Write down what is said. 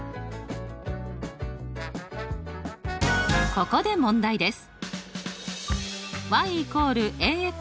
ここで問題です。